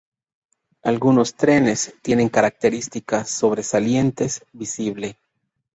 Algunos trenes tienen características sobresalientes visible.